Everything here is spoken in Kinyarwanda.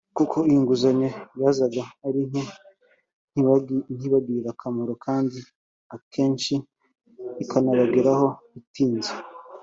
kuko iyi nguzanyo yazaga ari nke ntibagirire akamaro kandi akenshi ikanabageraho itinze